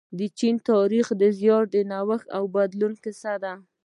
د چین تاریخ د زیار، نوښت او بدلون کیسه ده.